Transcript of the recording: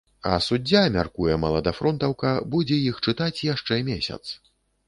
А суддзя, мяркуе маладафронтаўка, будзе іх чытаць яшчэ месяц.